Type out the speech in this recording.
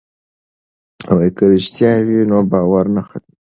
که رښتیا وي نو باور نه ماتیږي.